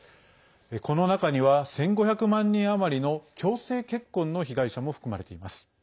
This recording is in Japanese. この中には１５００万人余りの強制結婚の被害者も含まれています。